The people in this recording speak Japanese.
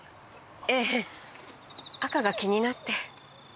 ええ赤が気になって。